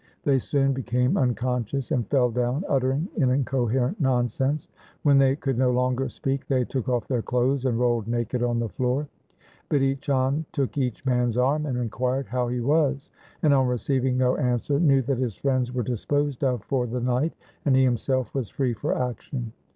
They soon became unconscious and fell down uttering incoherent nonsense. When they could no longer speak, they took off their clothes and rolled naked on the floor. Bidhi Chand took each man's arm and inquired how he was, and on receiving no answer knew that his friends were disposed of for the night, and he himself was free for action.